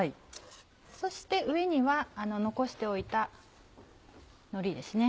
そして上には残しておいたのりですね。